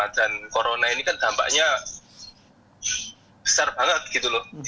dan corona ini kan dampaknya besar banget gitu loh